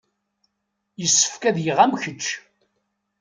Yessefk ad geɣ am kečč.